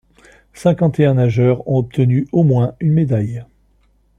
Cinquante et un nageurs ont obtenu au moins une médaille.